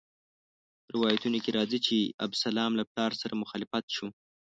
روایتونو کې راځي چې ابسلام له پلار سره مخالف شو.